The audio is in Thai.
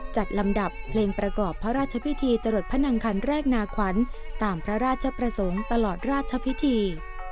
ลำดับเพลงประกอบพระราชพิธีจรดพระนังคันแรกนาขวัญตามพระราชประสงค์ตลอดราชพิธี